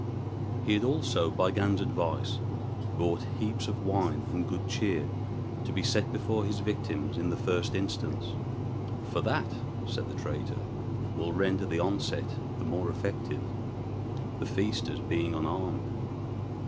He had also, by Gan's advice, brought heaps of wine and good cheer to be set before his victims in the first instance; "for that," said the traitor, "will render the onset the more effective, the feasters being unarmed.